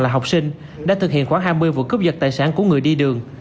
học sinh đã thực hiện khoảng hai mươi vụ cướp vật tài sản của người đi đường